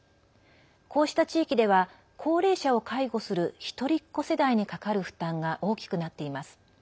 こうした地域では高齢者を介護する一人っ子世代にかかる負担が大きくなっています。